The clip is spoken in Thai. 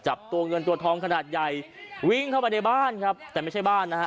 จับตัวเงินตัวทองขนาดใหญ่วิ่งเข้าไปในบ้านครับแต่ไม่ใช่บ้านนะฮะ